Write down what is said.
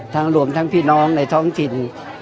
รวมทั้งพี่น้องในท้องถิ่น